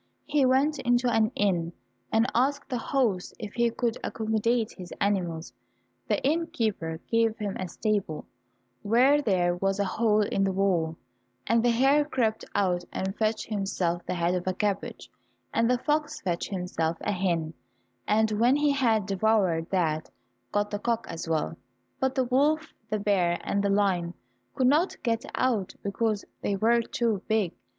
He went into an inn, and asked the host if he could accommodate his animals. The innkeeper gave him a stable, where there was a hole in the wall, and the hare crept out and fetched himself the head of a cabbage, and the fox fetched himself a hen, and when he had devoured that got the cock as well, but the wolf, the bear, and the lion could not get out because they were too big.